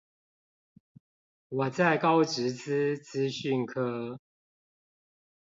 我在高職資資訊科